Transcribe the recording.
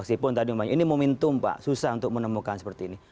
ini momentum pak susah untuk menemukan seperti ini